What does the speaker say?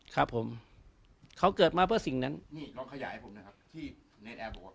ครับผมเขาเกิดมาเพื่อสิ่งนั้นนี่ลองขยายผมนะครับที่เนรนแอร์บอกว่า